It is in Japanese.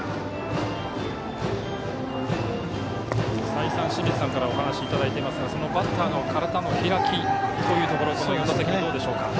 再三、清水さんからはお話いただいていますがそのバッターの体の開き４打席どうでしょうか。